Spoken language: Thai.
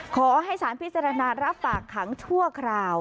ขอให้สารพิจารณารับฝากขังชั่วคราว